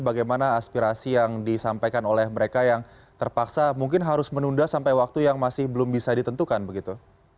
bagaimana aspirasi yang disampaikan oleh mereka yang terpaksa mungkin harus menunda sampai waktu yang masih belum bisa ditentukan begitu